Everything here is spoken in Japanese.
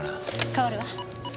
代わるわ。